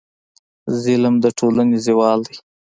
ظلم د ټولنې زوال دی.